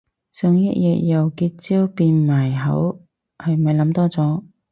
想一日由結焦變埋口係咪諗多咗